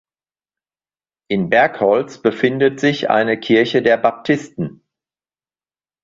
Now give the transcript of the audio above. In Bergholz befindet sich eine Kirche der Baptisten.